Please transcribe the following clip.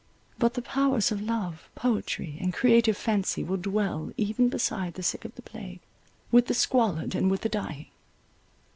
But the powers of love, poetry, and creative fancy will dwell even beside the sick of the plague, with the squalid, and with the dying.